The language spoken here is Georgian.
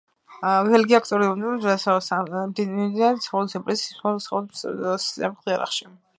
ბელგია აქტიური მონაწილეა მიმდინარე სამხედრო ოპერაციის ისლამური სახელმწიფოს წინააღმდეგ ერაყში.